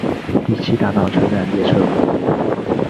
第七大道车站列车服务。